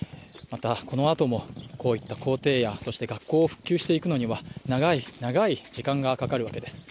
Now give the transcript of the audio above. またこの後もこういった校庭やそして学校復旧していくのには長い長い時間がかかるわけです。